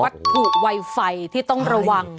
วัตถุไวไฟที่ต้องระวัง